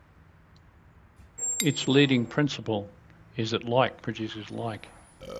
Its leading principle is that like produces like.